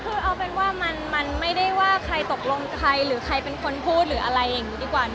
คือเอาเป็นว่ามันไม่ได้ว่าใครตกลงใครหรือใครเป็นคนพูดหรืออะไรอย่างนี้ดีกว่า